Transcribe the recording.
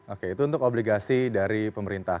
oke itu untuk obligasi dari pemerintah